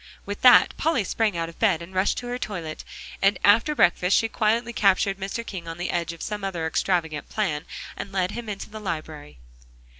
With that, Polly sprang out of bed, and rushed at her toilet, and after breakfast she quietly captured Mr. King on the edge of some other extravagant plan, and led him into the library.